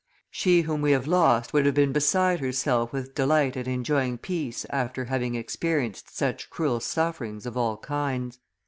She whom we have lost would have been beside herself with delight at enjoying peace after having experienced such cruel sufferings of all kinds.